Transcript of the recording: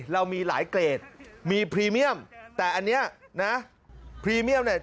เรามีหลายเกรดมีพรีเมียมแต่อันนี้นะพรีเมียมเนี่ย